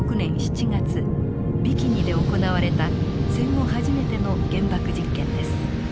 ビキニで行われた戦後初めての原爆実験です。